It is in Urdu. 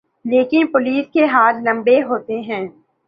لیکن پولیس کے ہاتھ لمبے ہوتے ہیں۔